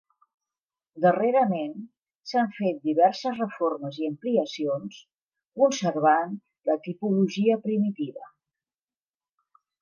Darrerament s'han fet diverses reformes i ampliacions, conservant la tipologia primitiva.